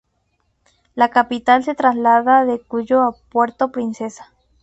La capital se traslada de Cuyo a Puerto Princesa.